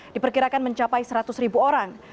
diperkirakan mencapai seratus ribu orang